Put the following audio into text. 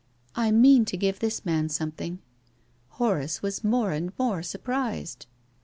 " I mean to give this man something." Horace was more and more surprised.